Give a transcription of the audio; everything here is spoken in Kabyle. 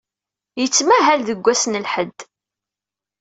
Yettmahal deg wass n lḥedd.